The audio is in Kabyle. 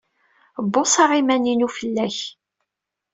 Bbuṣaɣ iman-inu fell-ak.